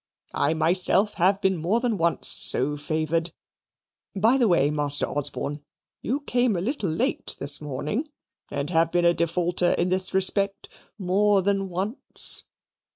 I myself have been more than once so favoured. (By the way, Master Osborne, you came a little late this morning, and have been a defaulter in this respect more than once.)